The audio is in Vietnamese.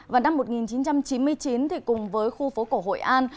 vào năm một nghìn chín trăm chín mươi chín cùng với khu phố cổ hội an